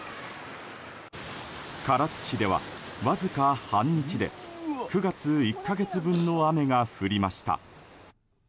唐津市では、わずか半日で９月１か月分の雨が降りました。